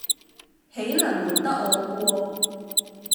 豈能瞞得我過。